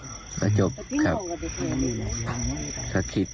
พ่อบอกว่าจริงแล้วก็เป็นยาดกันด้วย